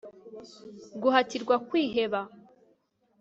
guhatirwa kwiheba